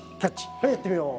はいやってみよう。